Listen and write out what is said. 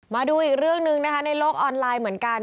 มาดูอีกเรื่องหนึ่งนะคะในโลกออนไลน์เหมือนกัน